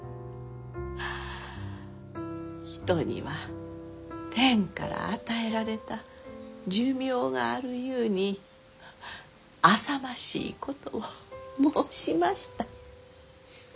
人には天から与えられた寿命があるゆうにあさましいことを申しました。